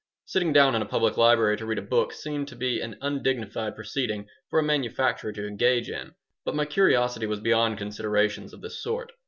Sitting down in a public library to read a book seemed to be an undignified proceeding for a manufacturer to engage in, but my curiosity was beyond considerations of this sort.